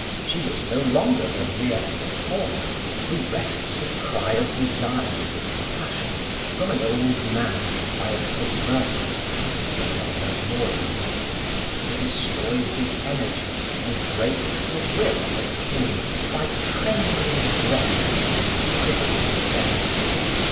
She was no longer the mere performer who wrests a cry of desire and of passion from an old man by a perverted twisting of her loins; who destroys the energy and breaks the will of a king by trembling breasts and quivering belly.